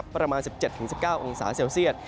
ประมาณ๑๗๑๙องศาเซลเซียต